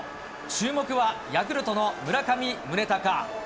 注目はヤクルトの村上宗隆。